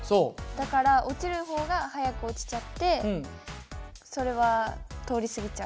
だから落ちる方が早く落ちちゃってそれは通り過ぎちゃう。